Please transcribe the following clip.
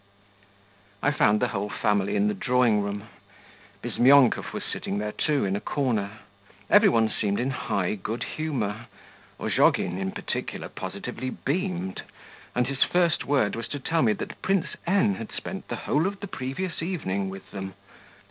I found the whole family in the drawing room; Bizmyonkov was sitting there, too, in a corner. Every one seemed in high good humour; Ozhogin, in particular, positively beamed, and his first word was to tell me that Prince N. had spent the whole of the previous evening with them.